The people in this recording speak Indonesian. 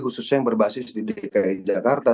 khususnya yang berbasis di dki jakarta